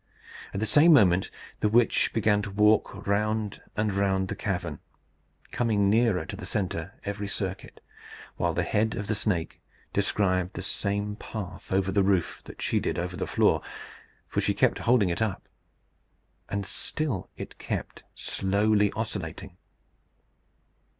At the same moment the witch began to walk round and round the cavern, coming nearer to the centre every circuit; while the head of the snake described the same path over the roof that she did over the floor, for she kept holding it up. And still it kept slowly oscillating.